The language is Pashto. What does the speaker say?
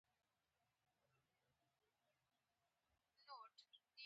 خټکی د بدن داخلي عضلات قوي کوي.